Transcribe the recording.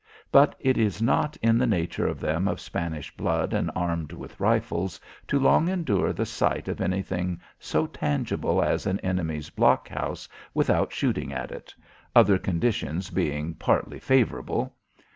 But it is not in the nature of them of Spanish blood, and armed with rifles, to long endure the sight of anything so tangible as an enemy's blockhouse without shooting at it other conditions being partly favourable.